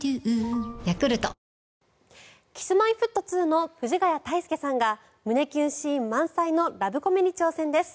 Ｋｉｓ−Ｍｙ−Ｆｔ２の藤ヶ谷太輔さんが胸キュンシーン満載のラブコメに挑戦です。